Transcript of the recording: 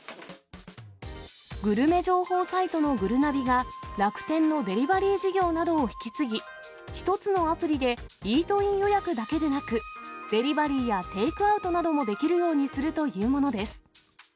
グルメ情報サイトのぐるなびが、楽天のデリバリー事業などを引き継ぎ、一つのアプリでイートイン予約だけでなく、デリバリーやテイクアウトなどもできるようにするというものです。